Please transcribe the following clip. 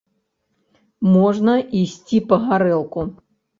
Можна ісці па гарэлку!